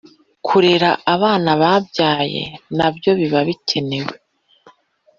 kurera abana babyaye nabyo biba bikenewed